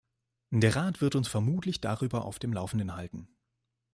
Der Rat wird uns vermutlich darüber auf dem Laufenden halten.